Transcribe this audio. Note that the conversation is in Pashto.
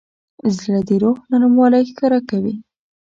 زړه د روح نرموالی ښکاره کوي.